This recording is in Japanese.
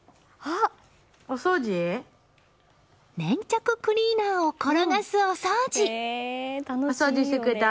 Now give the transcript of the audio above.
粘着クリーナーを転がすお掃除。